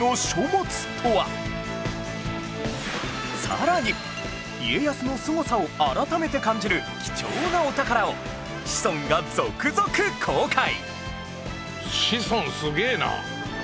さらに家康のすごさを改めて感じる貴重なお宝をシソンが続々公開！